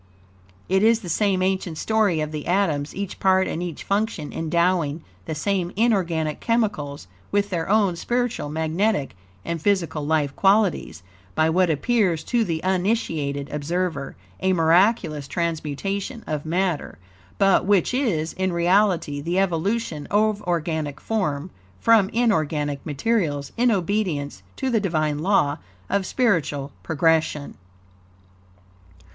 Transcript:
It is the same ancient story of the atoms; each part and each function endowing the same inorganic chemicals with their own spiritual, magnetic, and physical life qualities, by what appears, to the uninitiated observer, a miraculous transmutation of matter, but which is, in reality, the evolution of organic form from inorganic materials, in obedience to the Divine law of spiritual progression.